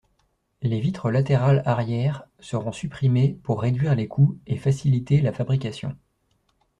Les vitres latérales arrière seront supprimées pour réduire les coûts et faciliter la fabrication.